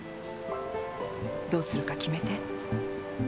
どうするか決めて。